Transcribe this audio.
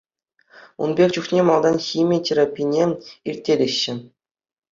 Ун пек чухне малтан хими терапине ирттереҫҫӗ.